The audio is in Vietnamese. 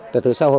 trật tự xã hội